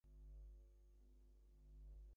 However parliament was not called.